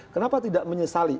kenapa tidak menyesali